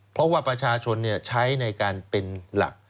เพราะว่าประชาชนใช้ในการเป็นหลัก